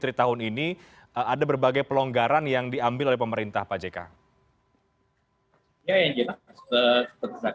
terima kasih pada semua pihak yang mendorong penyelenggaraan vaksin yang begitu banyak